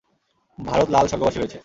ভারত লাল স্বর্গবাসী হয়েছে।